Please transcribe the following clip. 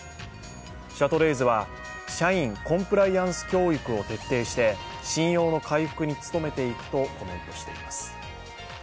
シャトレーゼは、社員コンプライアンス教育を徹底して信用の回復に努めていくとコメントしています。